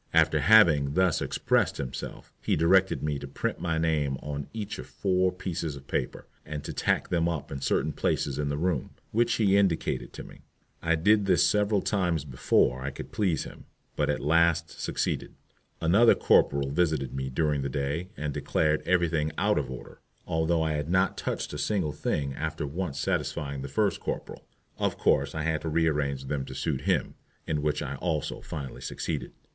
After having thus expressed himself, he directed me to print my name on each of four pieces of paper, and to tack them up in certain places in the room, which he indicated to me. I did this several times before I could please him; but at last succeeded. Another corporal visited me during the day and declared everything out of order, although I had not touched a single thing after once satisfying the first corporal. Of course I had to rearrange them to suit him, in which I also finally succeeded.